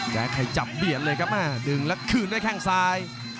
ใครจับเบียดเลยครับดึงแล้วคืนด้วยแข้งซ้าย